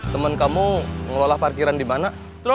temen kamu ngelola parkiran dimana